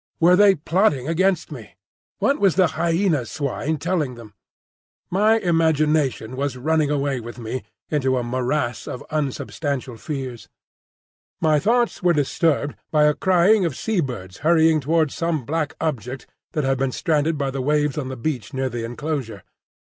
Were they plotting against me? What was the Hyena swine telling them? My imagination was running away with me into a morass of unsubstantial fears. My thoughts were disturbed by a crying of sea birds hurrying towards some black object that had been stranded by the waves on the beach near the enclosure.